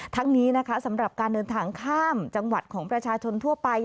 ทั้งนี้นะคะสำหรับการเดินทางข้ามจังหวัดของประชาชนทั่วไป